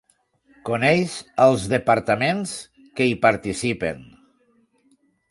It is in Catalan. Coneix els Departaments que hi participen.